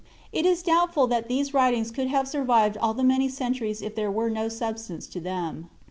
It is doubtful that these writings could have survived all the many centuries if there were no substance to them.